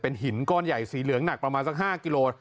หินก้อนใหญ่สีเหลืองหนักประมาณสัก๕กิโล